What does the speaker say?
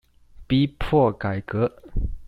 逼迫改革